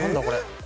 これ。